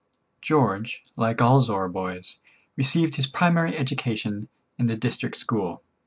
George, like all Zorra boys, received his primary education in the district school.